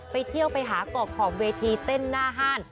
ไปเที่ยวไปหาก่อขอบเวทีเต้นหน้าห้าน